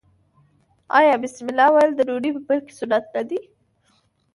آیا بسم الله ویل د ډوډۍ په پیل کې سنت نه دي؟